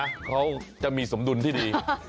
เขาจะมีสมดุลที่ดี